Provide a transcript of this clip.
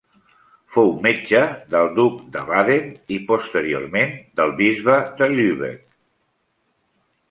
Fou metge del duc de Baden i, posteriorment, del bisbe de Lübeck.